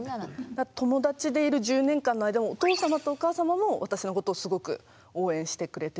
友達でいる１０年間の間もお父様とお母様も私のことをすごく応援してくれてたっていう感じで。